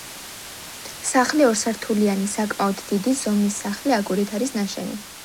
სახლი ორსართულიანი, საკმაოდ დიდი ზომის სახლი აგურით არის ნაშენი.